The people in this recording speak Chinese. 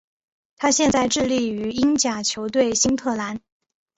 他现在效力于英甲球队新特兰。